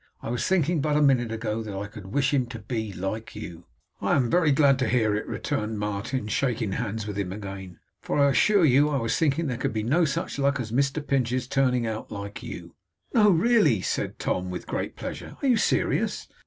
I was thinking, but a minute ago, that I could wish him to be like you.' 'I am very glad to hear it,' returned Martin, shaking hands with him again; 'for I assure you, I was thinking there could be no such luck as Mr Pinch's turning out like you.' 'No, really!' said Tom, with great pleasure. 'Are you serious?